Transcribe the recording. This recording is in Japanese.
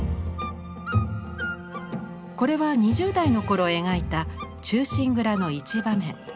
これは２０代の頃描いた「忠臣蔵」の一場面。